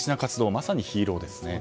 まさにヒーローですね。